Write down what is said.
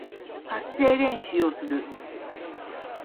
発声練習をする